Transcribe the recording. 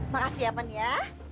makasih ya pan ya